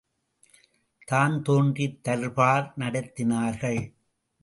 தான்தோன்றித் தர்பார் நடத்தினார்கள்.